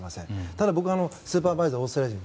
ただ、僕はスーパーバイザーオーストラリア人